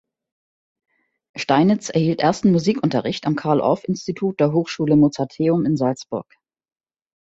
Steinitz erhielt ersten Musikunterricht am Carl Orff-Institut der Hochschule Mozarteum in Salzburg.